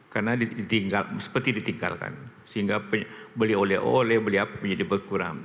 karena seperti ditinggalkan sehingga beli oleh oleh beli apa menjadi berkurang